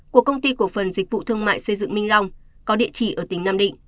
của công ty cổ phần dịch vụ thương mại xây dựng minh long có địa chỉ ở tỉnh nam định